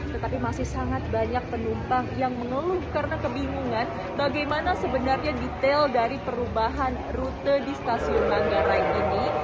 tetapi masih sangat banyak penumpang yang mengeluh karena kebingungan bagaimana sebenarnya detail dari perubahan rute di stasiun manggarai ini